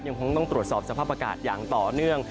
ยังคงต้องตรวจสอบสภาพอากาศอย่างต่อเนื่อง